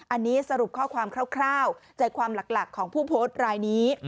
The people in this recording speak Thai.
อันนี้สรุปข้อความคร่าวใจความหลักของผู้โพสต์รายนี้